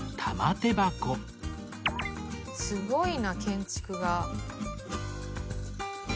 すごいな建築が。